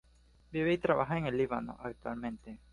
Vive y trabaja en el Líbano actualmente.